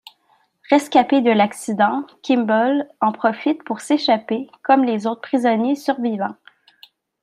Rescapé de l'accident, Kimble en profite pour s'échapper, comme les autres prisonniers survivants.